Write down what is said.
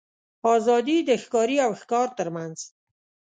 آزادي د ښکاري او ښکار تر منځ.